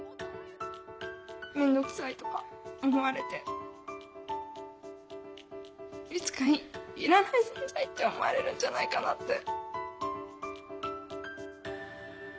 面倒くさいとか思われていつかいらない存在って思われるんじゃないかなって。